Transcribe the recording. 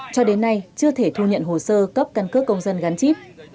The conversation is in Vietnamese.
cho đến nay chưa thể thu nhận hồ sơ cấp căn cước công dân gắn chip